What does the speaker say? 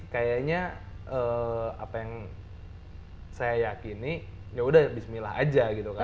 kayaknya apa yang saya yakini yaudah bismillah aja gitu kan